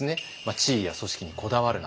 「地位や組織にこだわるな！